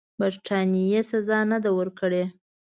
برټانیې سزا نه ده ورکړې.